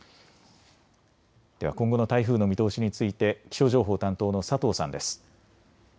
では今後の台風の見通しについて気象情報担当の佐藤さんです。